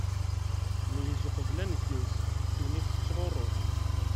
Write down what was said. Meyyez uqbel aneggez, ddunit tettɣuṛṛu!